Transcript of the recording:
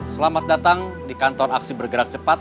selamat datang di kantor aksi bergerak cepat